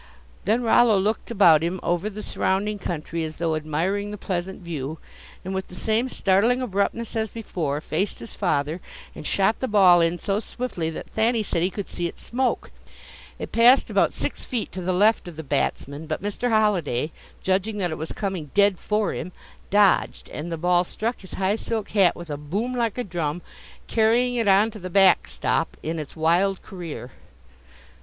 Then Rollo looked about him over the surrounding country as though admiring the pleasant view, and with the same startling abruptness as before, faced his father and shot the ball in so swiftly that Thanny said he could see it smoke. It passed about six feet to the left of the batsman, but Mr. Holliday, judging that it was coming "dead for him," dodged, and the ball struck his high silk hat with a boom like a drum, carrying it on to the "back stop" in its wild career.